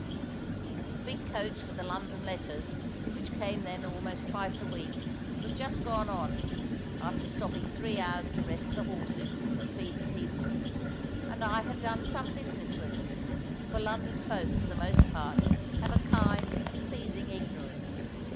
The big coach with the London letters, which came then almost twice a week, was just gone on, after stopping three hours to rest the horses and feed the people; and I had done some business with them, for London folk for the most part have a kind and pleasing ignorance.